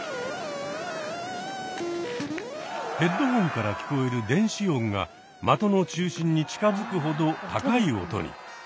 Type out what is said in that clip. ヘッドホンから聞こえる電子音が的の中心に近づくほど高い音に。